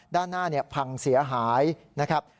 ด้านหน้าพังเสียหายนะครับ